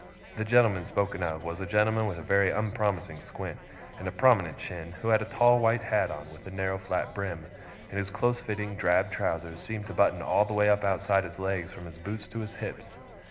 The gentleman spoken of was a gentleman with a very unpromising squint, and a prominent chin, who had a tall white hat on with a narrow flat brim, and whose close fitting drab trousers seemed to button all the way up outside his legs from his boots to his hips.